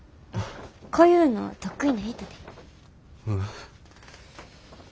こういうの得意な人で。